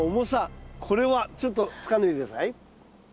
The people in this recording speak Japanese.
これはちょっとつかんでみて下さい。